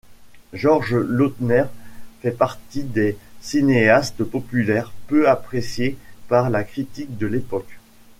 Georges Lautner fait partie des cinéastes populaires, peu appréciés par la critique de l'époque.